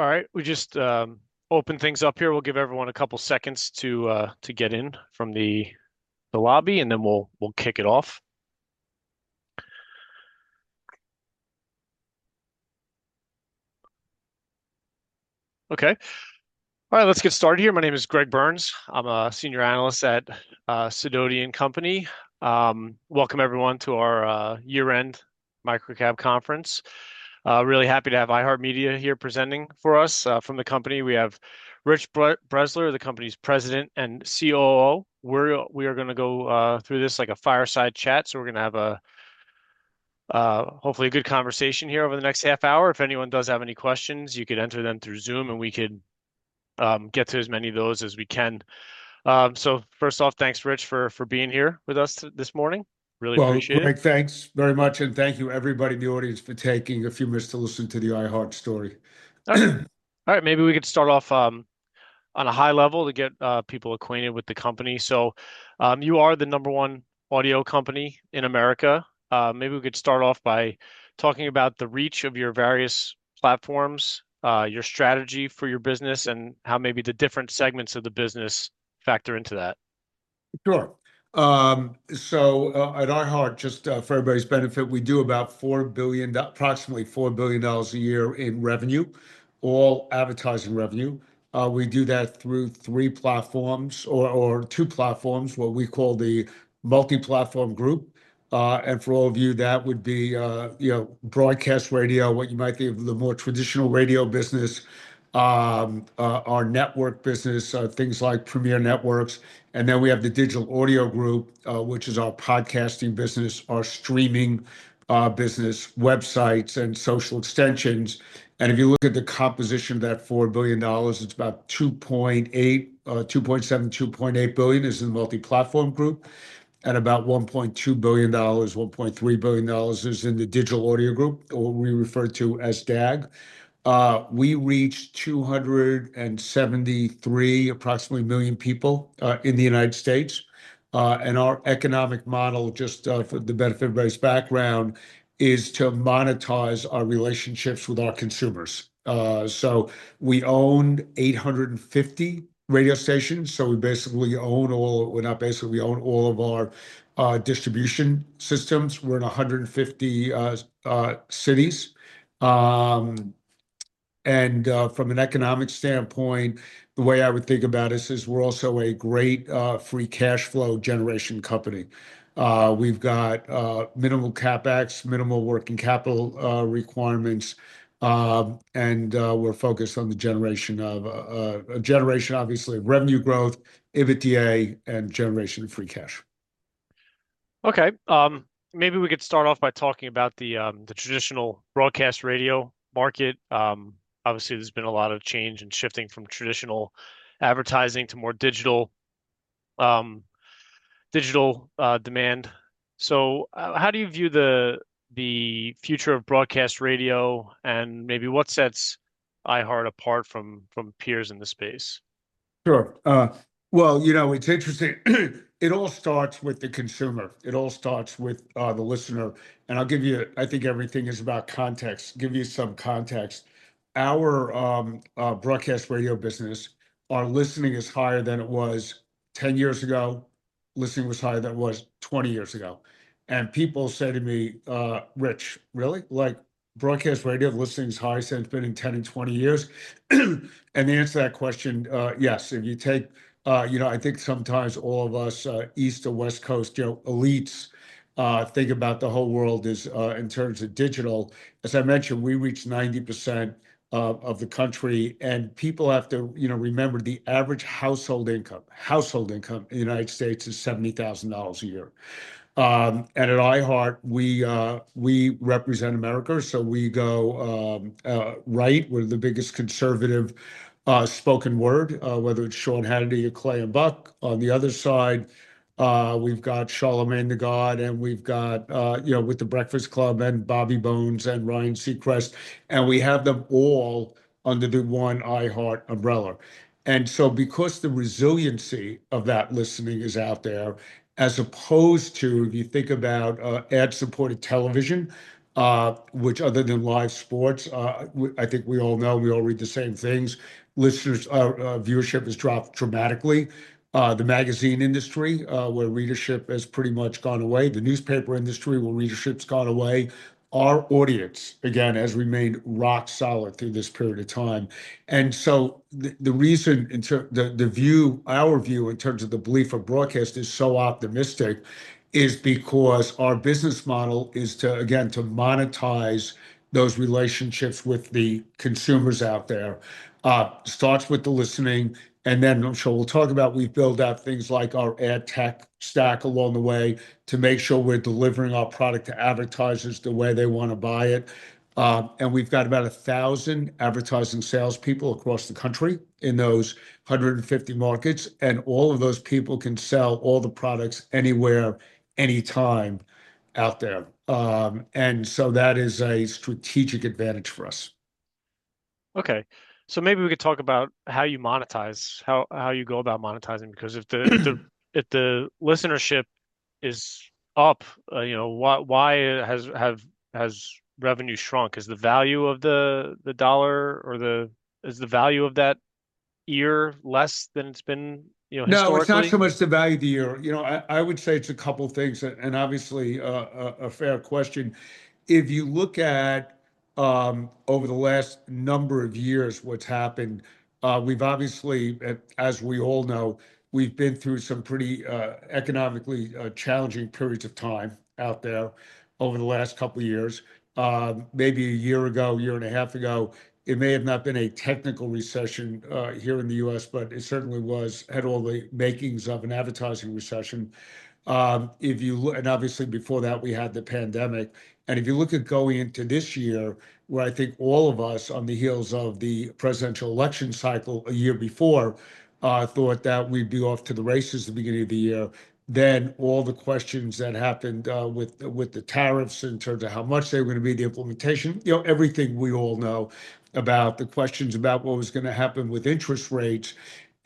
All right, we just open things up here. We'll give everyone a couple seconds to get in from the lobby, and then we'll kick it off. Okay. All right, let's get started here. My name is Greg Burns. I'm a Senior Analyst at Sidoti & Company. Welcome everyone to our year-end microcap conference. Really happy to have iHeartMedia here presenting for us from the company. We have Rich Bressler, the company's President and COO. We're going to go through this like a fireside chat. So we're going to have hopefully a good conversation here over the next half hour. If anyone does have any questions, you could enter them through Zoom, and we could get to as many of those as we can. So first off, thanks, Rich, for being here with us this morning. Really appreciate it. Big thanks very much, and thank you, everybody in the audience, for taking a few minutes to listen to the iHeart story. All right, maybe we could start off on a high level to get people acquainted with the company. So, you are the number one audio company in America. Maybe we could start off by talking about the reach of your various platforms, your strategy for your business, and how maybe the different segments of the business factor into that. Sure. So, at iHeart, just, for everybody's benefit, we do about $4 billion, approximately $4 billion a year in revenue, all advertising revenue. We do that through three platforms or, or two platforms, what we call the Multi-platform Group. And for all of you, that would be, you know, broadcast radio, what you might think of the more traditional radio business, our network business, things like Premiere Networks. And then we have the Digital Audio Group, which is our podcasting business, our streaming business, websites, and social extensions. And if you look at the composition of that $4 billion, it's about, $2.7 billion, $2.8 billion is in the Multi-platform Group, and about $1.2 billion, $1.3 billion is in the Digital Audio Group, or we refer to as DAG. We reach 273, approximately million people in the United States. Our economic model, just for the benefit of everybody's background, is to monetize our relationships with our consumers. We own 850 radio stations. We basically own all. Well, not basically, we own all of our distribution systems. We're in 150 cities. From an economic standpoint, the way I would think about us is we're also a great free cash flow generation company. We've got minimal CapEx, minimal working capital requirements. We're focused on the generation of revenue growth, EBITDA, and generation of free cash. Okay. Maybe we could start off by talking about the traditional broadcast radio market. Obviously, there's been a lot of change and shifting from traditional advertising to more digital demand. So, how do you view the future of broadcast radio and maybe what sets iHeart apart from peers in the space? Sure. Well, you know, it's interesting. It all starts with the consumer. It all starts with the listener. And I'll give you, I think everything is about context. Give you some context. Our broadcast radio business, our listening is higher than it was 10 years ago. Listening was higher than it was 20 years ago. And people say to me, "Rich, really? Like, broadcast radio listening is high since it's been in 10 and 20 years?" And the answer to that question, yes. If you take, you know, I think sometimes all of us, East Coast or West Coast, you know, elites, think about the whole world is, in terms of digital. As I mentioned, we reach 90% of the country. And people have to, you know, remember the average household income, household income in the United States is $70,000 a year. And at iHeart, we represent America. So we go, right, we're the biggest conservative, spoken word, whether it's Sean Hannity or Clay and Buck. On the other side, we've got Charlamagne tha God, and we've got, you know, with the Breakfast Club and Bobby Bones and Ryan Seacrest, and we have them all under the one iHeart umbrella. And so because the resiliency of that listening is out there, as opposed to, if you think about, ad-supported television, which other than live sports, I think we all know, we all read the same things, listeners, viewership has dropped dramatically. The magazine industry, where readership has pretty much gone away, the newspaper industry where readership's gone away, our audience, again, has remained rock solid through this period of time. And so the reason in terms of our view in terms of the belief of broadcast is so optimistic is because our business model is to again monetize those relationships with the consumers out there. Starts with the listening, and then I'm sure we'll talk about we build out things like our ad tech stack along the way to make sure we're delivering our product to advertisers the way they want to buy it. And we've got about 1,000 advertising salespeople across the country in those 150 markets, and all of those people can sell all the products anywhere, anytime out there. And so that is a strategic advantage for us. Okay, so maybe we could talk about how you monetize, how you go about monetizing, because if the listenership is up, you know, why has revenue shrunk? Is the value of the dollar or the value of that year less than it's been, you know, historically? No, it's not so much the value of the year. You know, I would say it's a couple things, and, and obviously, a fair question. If you look at, over the last number of years, what's happened, we've obviously, as we all know, we've been through some pretty, economically, challenging periods of time out there over the last couple years. Maybe a year ago, a year and a half ago, it may have not been a technical recession, here in the U.S., but it certainly was at all the makings of an advertising recession. If you look, and obviously before that, we had the pandemic. And if you look at going into this year, where I think all of us on the heels of the presidential election cycle a year before thought that we'd be off to the races at the beginning of the year, then all the questions that happened with the tariffs in terms of how much they were going to be, the implementation, you know, everything we all know about the questions about what was going to happen with interest rates.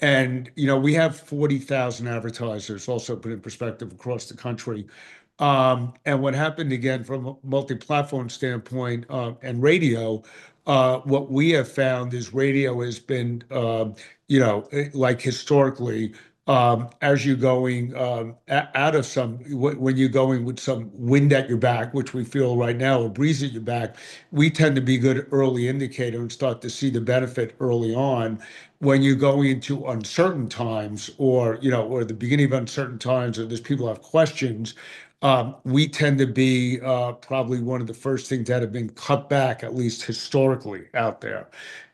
And you know, we have 40,000 advertisers also put in perspective across the country. And what happened again from a multi-platform standpoint, and radio, what we have found is radio has been, you know, like historically, as you're going, out of some, when you're going with some wind at your back, which we feel right now, a breeze at your back, we tend to be good early indicators and start to see the benefit early on. When you're going into uncertain times or, you know, or the beginning of uncertain times or there's people who have questions, we tend to be, probably one of the first things that have been cut back, at least historically out there.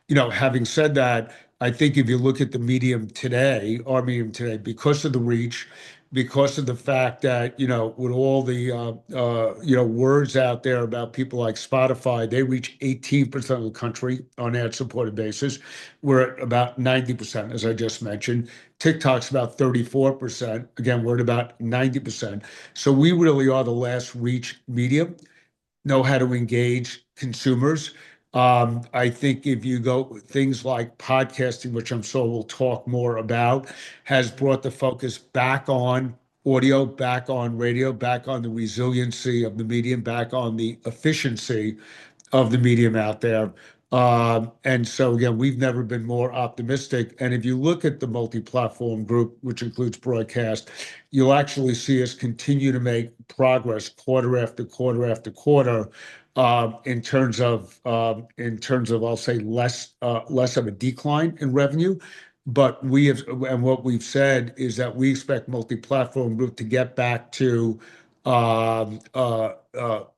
You know, having said that, I think if you look at the medium today, our medium today, because of the reach, because of the fact that, you know, with all the, you know, words out there about people like Spotify, they reach 18% of the country on ad-supported basis. We're at about 90%, as I just mentioned. TikTok's about 34%. Again, we're at about 90%. So we really are the last reach medium, know how to engage consumers. I think if you go with things like podcasting, which I'm sure we'll talk more about, has brought the focus back on audio, back on radio, back on the resiliency of the medium, back on the efficiency of the medium out there, and so again, we've never been more optimistic. And if you look at the Multi-platform group, which includes broadcast, you'll actually see us continue to make progress quarter after quarter after quarter, in terms of, I'll say, less of a decline in revenue. But we have, and what we've said is that we expect Multi-platform group to get back to low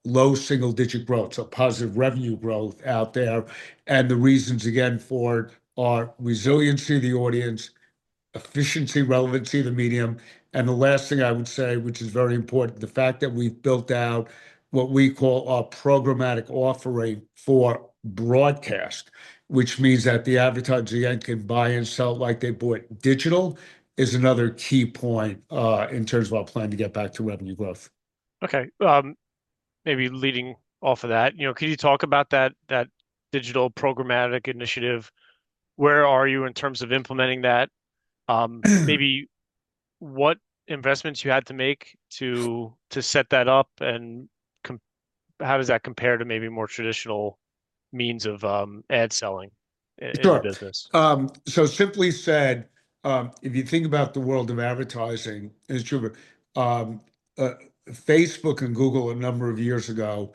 single-digit growth, so positive revenue growth out there. And the reasons, again, for our resiliency of the audience, efficiency, relevancy of the medium. And the last thing I would say, which is very important, the fact that we've built out what we call our programmatic offering for broadcast, which means that the advertisers again can buy and sell it like they bought digital, is another key point, in terms of our plan to get back to revenue growth. Okay. Maybe leading off of that, you know, could you talk about that digital programmatic initiative? Where are you in terms of implementing that? Maybe what investments you had to make to set that up, and how does that compare to maybe more traditional means of ad selling in your business? Sure, so simply said, if you think about the world of advertising, as you, Facebook and Google a number of years ago,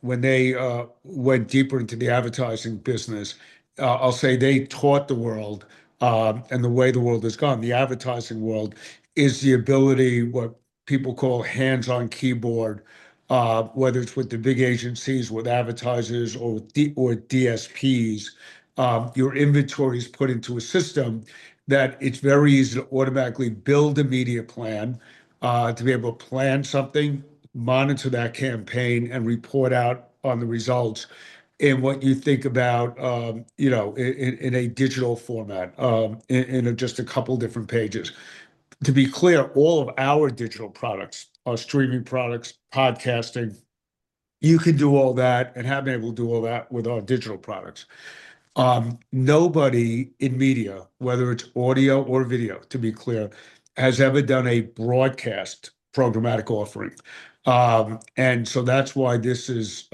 when they went deeper into the advertising business, I'll say they taught the world, and the way the world has gone, the advertising world is the ability, what people call hands-on keyboard, whether it's with the big agencies, with advertisers, or with DSPs. Your inventory's put into a system that it's very easy to automatically build a media plan, to be able to plan something, monitor that campaign, and report out on the results in what you think about, you know, in a digital format, in just a couple different pages. To be clear, all of our digital products, our streaming products, podcasting, you can do all that and have been able to do all that with our digital products. Nobody in media, whether it's audio or video, to be clear, has ever done a broadcast programmatic offering. And so that's why this is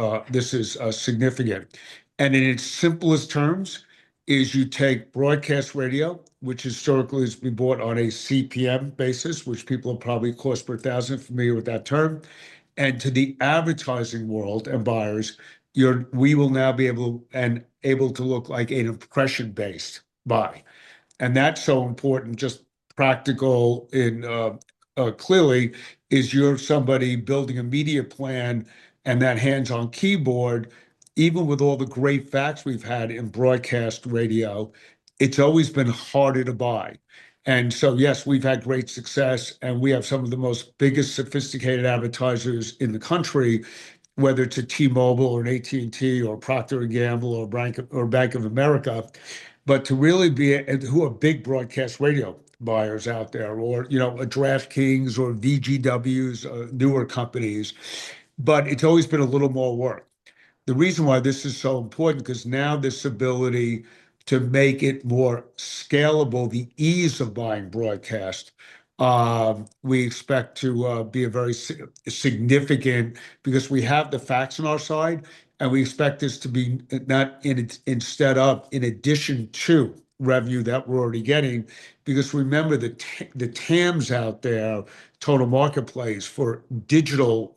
significant. And in its simplest terms, is you take broadcast radio, which historically has been bought on a CPM basis, which people are probably cost per thousand familiar with that term, and to the advertising world and buyers, we will now be able to look like a impression-based buy. And that's so important, just practical, clearly, is you're somebody building a media plan and that hands-on keyboard, even with all the great facts we've had in broadcast radio, it's always been harder to buy. And so yes, we've had great success and we have some of the most biggest sophisticated advertisers in the country, whether it's a T-Mobile or an AT&T or Procter & Gamble or Bank of America, but to really be and who are big broadcast radio buyers out there or, you know, a DraftKings or VGW, newer companies, but it's always been a little more work. The reason why this is so important, because now this ability to make it more scalable, the ease of buying broadcast, we expect to be a very significant because we have the facts on our side and we expect this to be not instead of in addition to revenue that we're already getting, because remember the TAMs out there, total marketplace for digital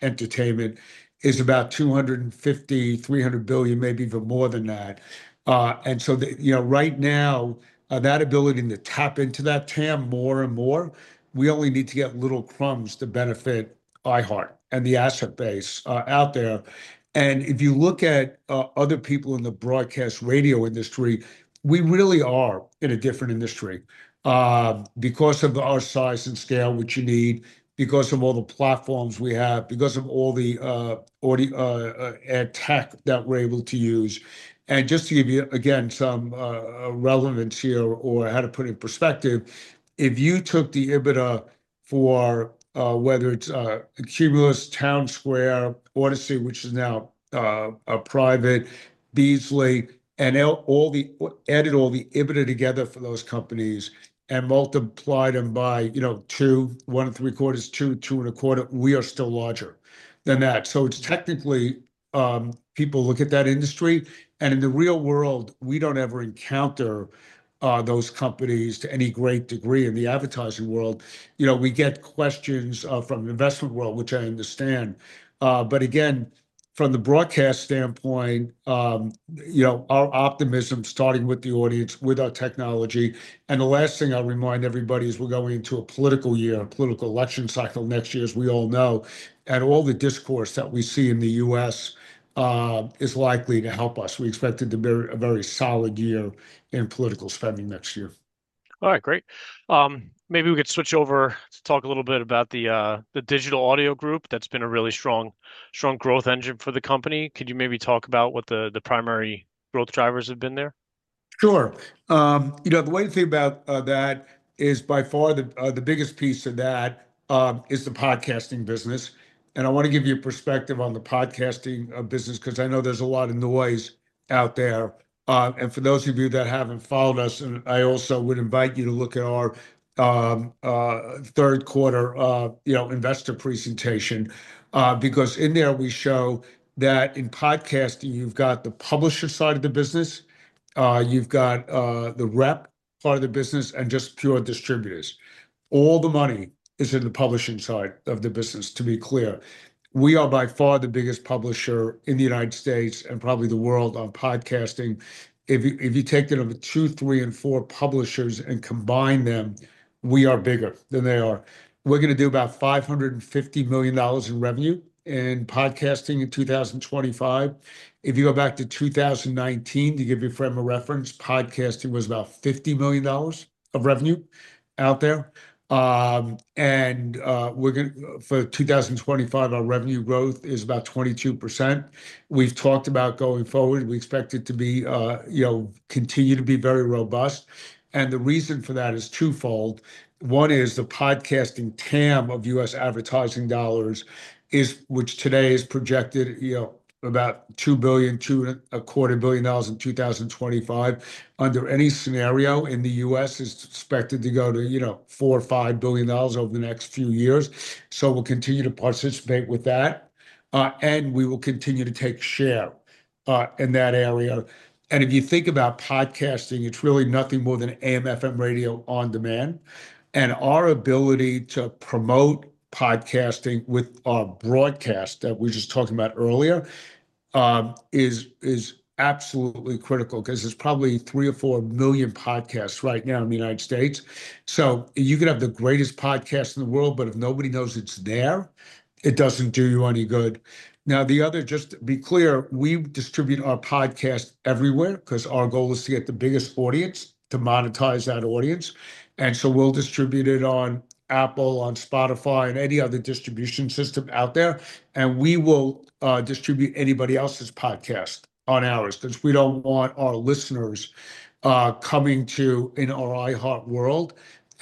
entertainment is about $250 billion-$300 billion, maybe even more than that. And so, you know, right now, that ability to tap into that TAM more and more, we only need to get little crumbs to benefit iHeart and the asset base out there. And if you look at other people in the broadcast radio industry, we really are in a different industry, because of our size and scale, which you need, because of all the platforms we have, because of all the audio ad tech that we're able to use. And just to give you again some relevance here or how to put it in perspective, if you took the EBITDA for whether it's Cumulus, Townsquare, Audacy, which is now private, Beasley, and added all the EBITDA together for those companies and multiplied them by, you know, two, one and three quarters, two, two and a quarter, we are still larger than that. So it's technically people look at that industry and in the real world, we don't ever encounter those companies to any great degree in the advertising world. You know, we get questions from the investment world, which I understand. But again, from the broadcast standpoint, you know, our optimism starting with the audience, with our technology. And the last thing I'll remind everybody is we're going into a political year, a political election cycle next year, as we all know, and all the discourse that we see in the U.S. is likely to help us. We expect it to be a very solid year in political spending next year. All right, great. Maybe we could switch over to talk a little bit about the Digital Audio Group that's been a really strong, strong growth engine for the company. Could you maybe talk about what the, the primary growth drivers have been there? Sure. You know, the way to think about that is by far the biggest piece of that, is the podcasting business. And I want to give you a perspective on the podcasting business, because I know there's a lot of noise out there. And for those of you that haven't followed us, and I also would invite you to look at our third quarter, you know, investor presentation, because in there we show that in podcasting, you've got the publisher side of the business, you've got the rep part of the business, and just pure distributors. All the money is in the publishing side of the business, to be clear. We are by far the biggest publisher in the United States and probably the world on podcasting. If you take the number two, three, and four publishers and combine them, we are bigger than they are. We're going to do about $550 million in revenue in podcasting in 2025. If you go back to 2019, to give your friend a reference, podcasting was about $50 million of revenue out there, and we're going to, for 2025, our revenue growth is about 22%. We've talked about going forward. We expect it to be, you know, continue to be very robust, and the reason for that is twofold. One is the podcasting TAM of U.S. advertising dollars is, which today is projected, you know, about $2 billion, $2.25 billion in 2025. Under any scenario in the U.S., it's expected to go to, you know, $4 billion or $5 billion over the next few years, so we'll continue to participate with that, and we will continue to take share in that area, and if you think about podcasting, it's really nothing more than AM, FM, radio on demand. And our ability to promote podcasting with our broadcast that we just talked about earlier is absolutely critical because there's probably three or four million podcasts right now in the United States. So you could have the greatest podcast in the world, but if nobody knows it's there, it doesn't do you any good. Now the other just to be clear, we distribute our podcast everywhere because our goal is to get the biggest audience to monetize that audience. And so we'll distribute it on Apple, on Spotify, and any other distribution system out there. And we will distribute anybody else's podcast on ours because we don't want our listeners coming to in our iHeart world and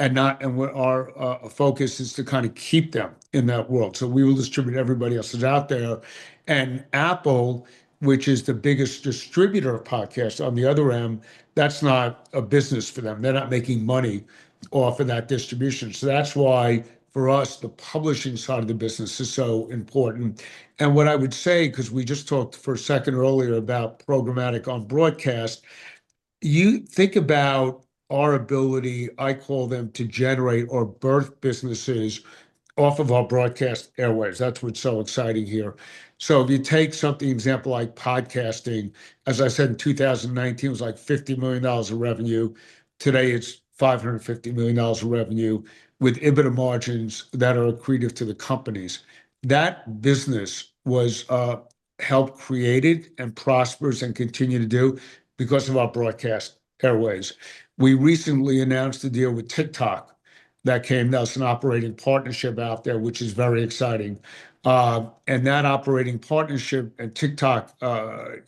not and our focus is to kind of keep them in that world. So we will distribute everybody else that's out there. And Apple, which is the biggest distributor of podcasts on the other end, that's not a business for them. They're not making money off of that distribution. So that's why for us, the publishing side of the business is so important. And what I would say, because we just talked for a second earlier about programmatic on broadcast, you think about our ability, I call them, to generate or birth businesses off of our broadcast airwaves. That's what's so exciting here. So if you take something, example like podcasting, as I said, in 2019, it was like $50 million of revenue. Today it's $550 million of revenue with EBITDA margins that are accretive to the companies. That business was helped created and prospers and continue to do because of our broadcast airwaves. We recently announced a deal with TikTok that came out as an operating partnership out there, which is very exciting, and that operating partnership and TikTok,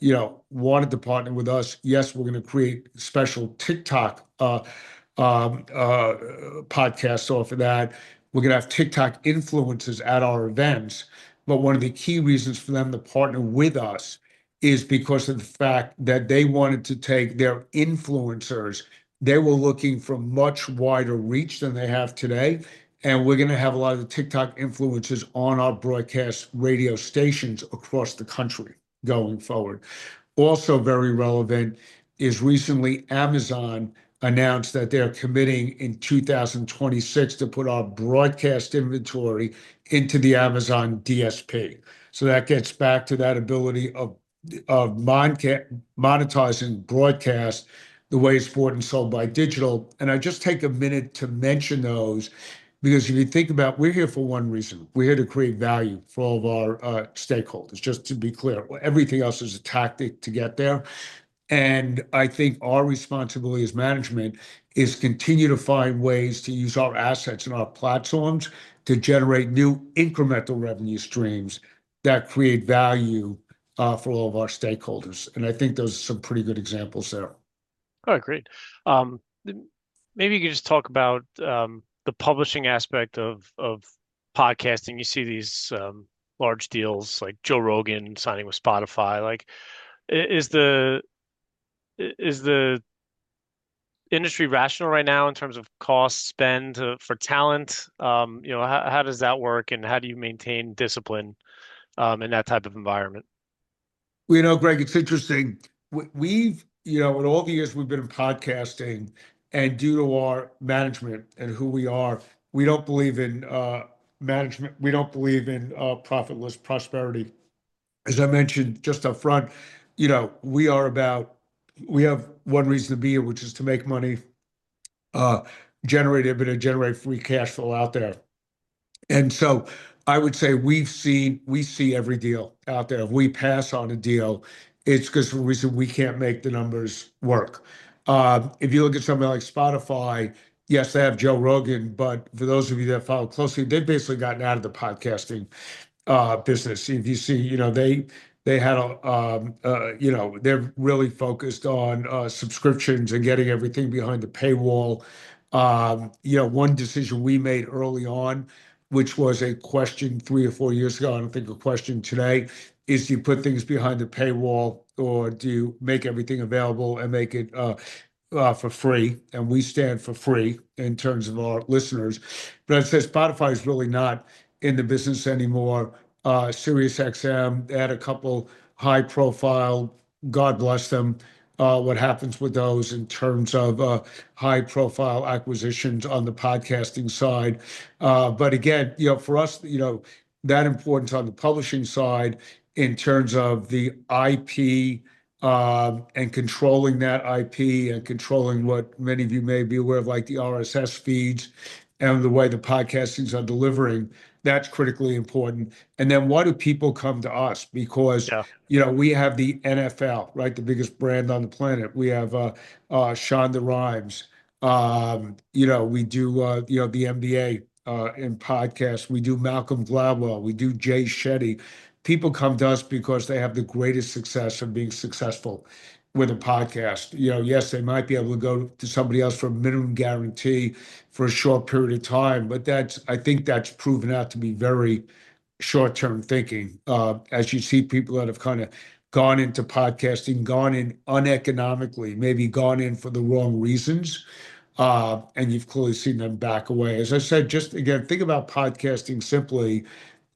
you know, wanted to partner with us. Yes, we're going to create special TikTok podcasts off of that. We're going to have TikTok influencers at our events. But one of the key reasons for them to partner with us is because of the fact that they wanted to take their influencers. They were looking for much wider reach than they have today, and we're going to have a lot of the TikTok influencers on our broadcast radio stations across the country going forward. Also very relevant is, recently Amazon announced that they're committing in 2026 to put our broadcast inventory into the Amazon DSP. So that gets back to that ability of monetizing broadcast the way it's bought and sold by digital. And I just take a minute to mention those because if you think about we're here for one reason. We're here to create value for all of our stakeholders. Just to be clear, everything else is a tactic to get there. And I think our responsibility as management is continue to find ways to use our assets and our platforms to generate new incremental revenue streams that create value for all of our stakeholders. And I think those are some pretty good examples there. All right, great. Maybe you could just talk about the publishing aspect of podcasting. You see these large deals like Joe Rogan signing with Spotify. Like, is the industry rational right now in terms of cost spend for talent? You know, how does that work and how do you maintain discipline in that type of environment? You know, Greg, it's interesting. We've, you know, in all the years we've been in podcasting and due to our management and who we are, we don't believe in management. We don't believe in profitless prosperity. As I mentioned just upfront, you know, we are about, we have one reason to be here, which is to make money, generate EBITDA, generate free cash flow out there. And so I would say, we see every deal out there. If we pass on a deal, it's because for a reason we can't make the numbers work. If you look at somebody like Spotify, yes, they have Joe Rogan, but for those of you that follow closely, they've basically gotten out of the podcasting business. If you see, you know, they had a you know, they're really focused on subscriptions and getting everything behind the paywall. You know, one decision we made early on, which was a question three or four years ago. I don't think a question today is do you put things behind the paywall or do you make everything available and make it for free? And we stand for free in terms of our listeners. But I'd say Spotify's really not in the business anymore. SiriusXM had a couple high profile. God bless them. What happens with those in terms of high profile acquisitions on the podcasting side? But again, you know, for us, you know, that importance on the publishing side in terms of the IP, and controlling that IP and controlling what many of you may be aware of, like the RSS feeds and the way the podcastings are delivering. That's critically important. And then why do people come to us? Because, you know, we have the NFL, right? The biggest brand on the planet. We have Shonda Rhimes. You know, we do, you know, the NBA in podcasts. We do Malcolm Gladwell. We do Jay Shetty. People come to us because they have the greatest success of being successful with a podcast. You know, yes, they might be able to go to somebody else for a minimum guarantee for a short period of time, but that's, I think that's proven out to be very short-term thinking. As you see people that have kind of gone into podcasting, gone in uneconomically, maybe gone in for the wrong reasons, and you've clearly seen them back away. As I said, just again, think about podcasting simply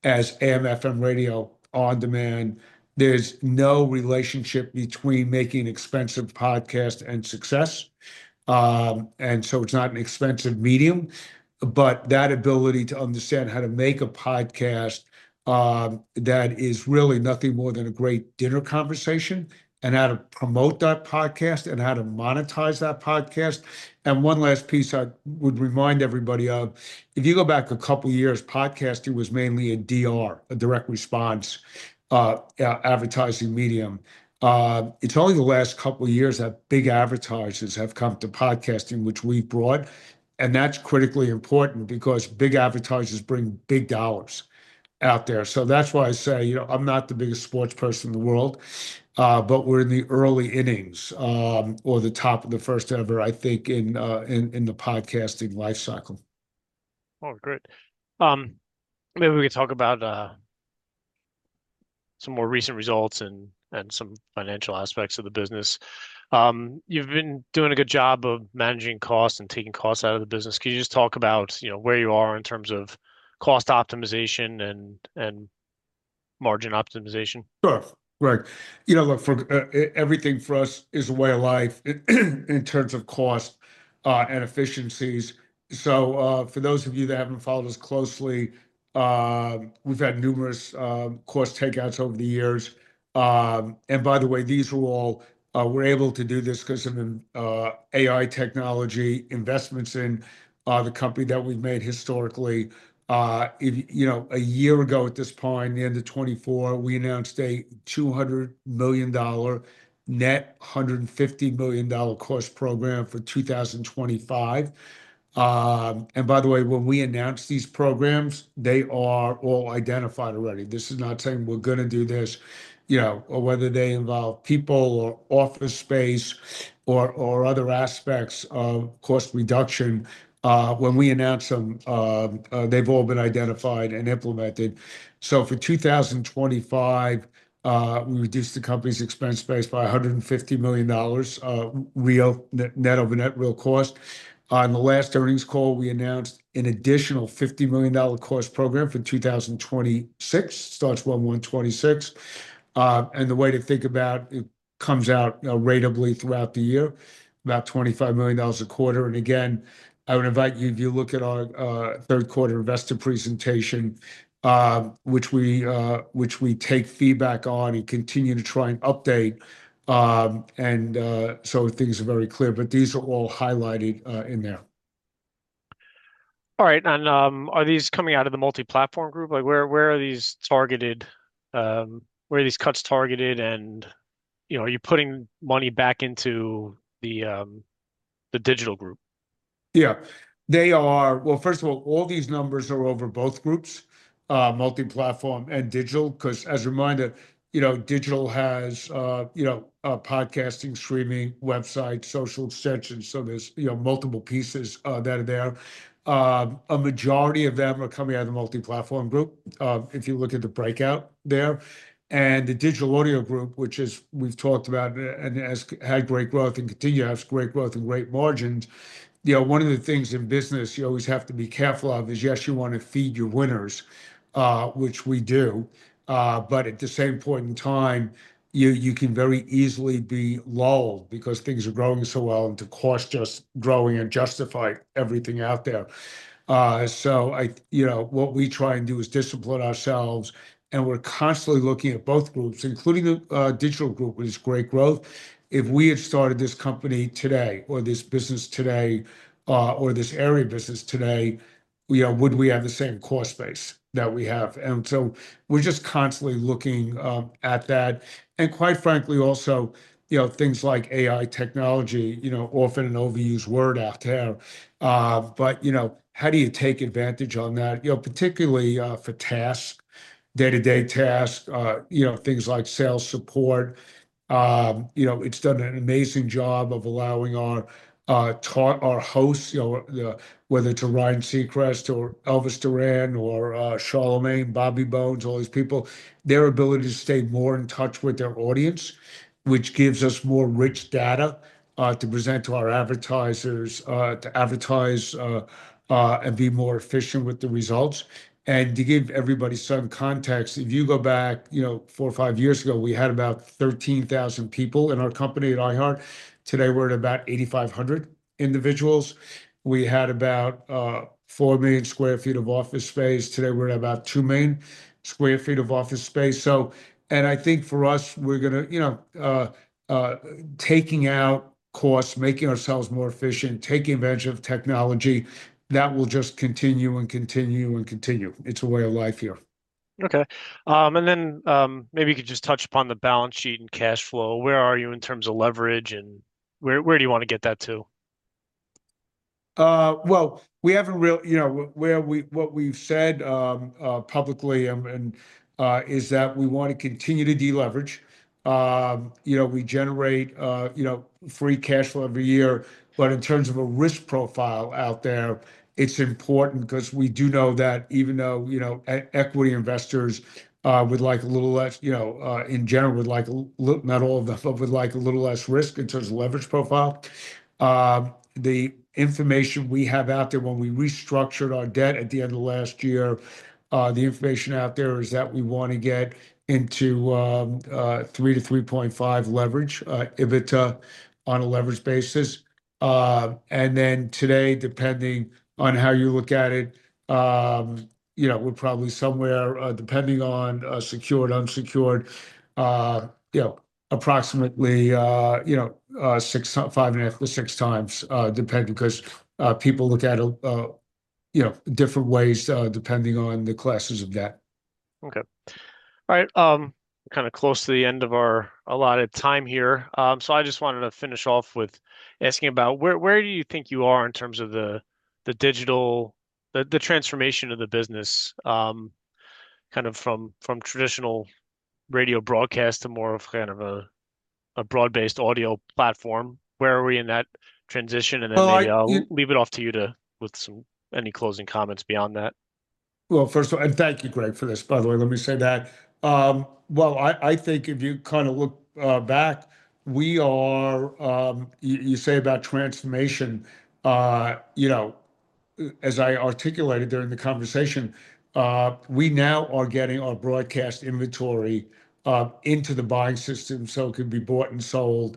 as AM, FM, radio on demand. There's no relationship between making an expensive podcast and success. And so it's not an expensive medium, but that ability to understand how to make a podcast, that is really nothing more than a great dinner conversation and how to promote that podcast and how to monetize that podcast. And one last piece I would remind everybody of, if you go back a couple years, podcasting was mainly a DR, a direct response, advertising medium. It's only the last couple years that big advertisers have come to podcasting, which we've brought. And that's critically important because big advertisers bring big dollars out there. So that's why I say, you know, I'm not the biggest sports person in the world, but we're in the early innings, or the top of the first ever, I think, in the podcasting life cycle. All right, great. Maybe we could talk about some more recent results and some financial aspects of the business. You've been doing a good job of managing costs and taking costs out of the business. Could you just talk about, you know, where you are in terms of cost optimization and margin optimization? Sure, Greg. You know, look, everything for us is a way of life in terms of cost and efficiencies, so for those of you that haven't followed us closely, we've had numerous cost takeouts over the years, and by the way, these were all. We're able to do this because of AI technology investments in the company that we've made historically. If you know, a year ago at this point, the end of 2024, we announced a $200 million-dollar net $150 million-dollar cost program for 2025, and by the way, when we announced these programs, they are all identified already. This is not saying we're going to do this, you know, or whether they involve people or office space or other aspects of cost reduction. When we announce them, they've all been identified and implemented. So for 2025, we reduced the company's expense base by $150 million, real net over net real cost. On the last earnings call, we announced an additional $50 million cost program for 2026, starts 1/1/2026. And the way to think about it comes out ratably throughout the year, about $25 million a quarter. And again, I would invite you, if you look at our third quarter investor presentation, which we take feedback on and continue to try and update. And so things are very clear, but these are all highlighted in there. All right. And, are these coming out of the Multi-platform Group? Like, where are these targeted, where are these cuts targeted? And, you know, are you putting money back into the digital group? Yeah, they are, well, first of all, all these numbers are over both groups, multi-platform and digital. Beause as a reminder, you know, digital has, you know, podcasting, streaming website, social extension. So there's, you know, multiple pieces that are there. A majority of them are coming out of the Multi-platform group. If you look at the breakout there and the Digital Audio Group, which is, we've talked about and has had great growth and continue to have great growth and great margins. You know, one of the things in business you always have to be careful of is, yes, you want to feed your winners, which we do, but at the same point in time, you can very easily be lulled because things are growing so well and the cost just growing and justify everything out there. So, you know, what we try and do is discipline ourselves and we're constantly looking at both groups, including the digital group, which is great growth. If we had started this company today or this business today, or this area business today, you know, would we have the same cost base that we have? And so we're just constantly looking at that. And quite frankly, also, you know, things like AI technology, you know, often an overused word out there. But you know, how do you take advantage of that? You know, particularly for task, day-to-day task, you know, things like sales support. You know, it's done an amazing job of allowing our hosts, you know, whether it's Ryan Seacrest or Elvis Duran or Charlamagne, Bobby Bones, all these people, their ability to stay more in touch with their audience, which gives us more rich data to present to our advertisers to advertise and be more efficient with the results. To give everybody some context, if you go back, you know, four or five years ago, we had about 13,000 people in our company at iHeart. Today we're at about 8,500 individuals. We had about 4 million sq ft of office space. Today we're at about 2 million sq ft of office space. So, I think for us, we're going to, you know, taking out costs, making ourselves more efficient, taking advantage of technology that will just continue and continue and continue. It's a way of life here. Okay. And then, maybe you could just touch upon the balance sheet and cash flow. Where are you in terms of leverage and where do you want to get that to? We haven't really, you know, what we've said publicly and is that we want to continue to deleverage. You know, we generate, you know, free cash flow every year, but in terms of a risk profile out there, it's important bcause we do know that even though, you know, equity investors would like a little less, you know, in general, would like a little, not all of them, but would like a little less risk in terms of leverage profile. The information we have out there when we restructured our debt at the end of last year, the information out there is that we want to get into 3-3.5 leverage EBITDA on a leverage basis. And then today, depending on how you look at it, you know, we're probably somewhere, depending on secured, unsecured, you know, approximately, you know, 5.5-6 times, depending because people look at it, you know, different ways, depending on the classes of debt. Okay. All right. Kind of close to the end of our allotted time here. So I just wanted to finish off with asking about where you think you are in terms of the digital transformation of the business, kind of from traditional radio broadcast to more of kind of a broad-based audio platform? Where are we in that transition? And then maybe leave it off to you to with some any closing comments beyond that. Well, first of all, and thank you, Greg, for this, by the way. Let me say that. I think if you kind of look back. You say about transformation, you know, as I articulated during the conversation, we now are getting our broadcast inventory into the buying system so it could be bought and sold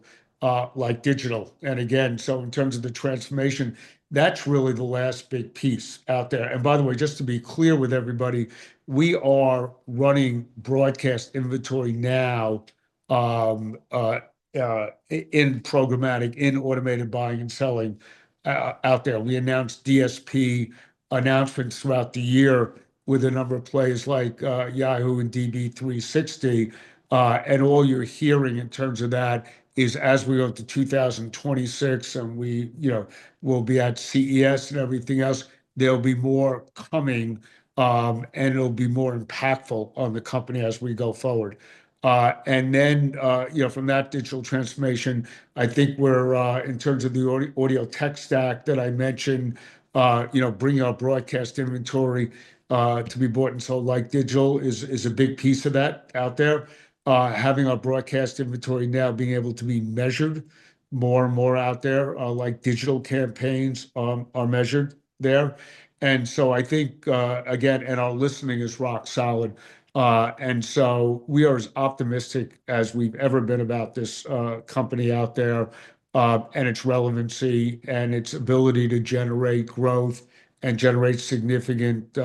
like digital. And again, so in terms of the transformation, that's really the last big piece out there. And by the way, just to be clear with everybody, we are running broadcast inventory now in programmatic, in automated buying and selling out there. We announced DSP announcements throughout the year with a number of players like Yahoo and DV360. And all you're hearing in terms of that is as we go to 2026 and we, you know, we'll be at CES and everything else, there'll be more coming, and it'll be more impactful on the company as we go forward. And then, you know, from that digital transformation, I think we're in terms of the audio tech stack that I mentioned, you know, bringing our broadcast inventory to be bought and sold like digital is, is a big piece of that out there. Having our broadcast inventory now being able to be measured more and more out there, like digital campaigns are measured there. And so I think, again, and our listening is rock solid. And so we are as optimistic as we've ever been about this company out there, and its relevancy and its ability to generate growth and generate significant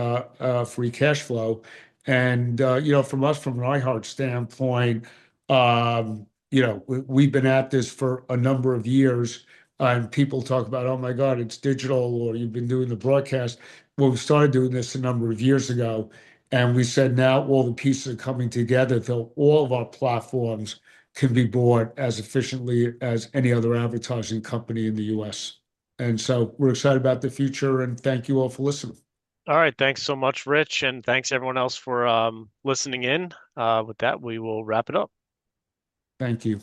free cash flow. And, you know, from us, from an iHeart standpoint, you know, we've been at this for a number of years. And people talk about, Oh my God, it's digital or you've been doing the broadcast. Well, we started doing this a number of years ago and we said now all the pieces are coming together until all of our platforms can be bought as efficiently as any other advertising company in the U.S. And so we're excited about the future and thank you all for listening. All right. Thanks so much, Rich. And thanks everyone else for listening in. With that, we will wrap it up. Thank you.